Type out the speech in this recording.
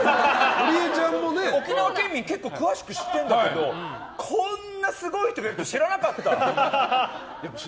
結構詳しく知ってるんだけどこんなすごい人がいるって知らなかった。